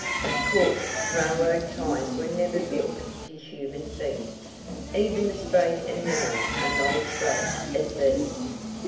"Of course railroad ties were never built for human feet, even the straight and narrow are not as straight as these."